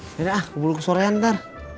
ayo deh ah keburu ke sorean ntar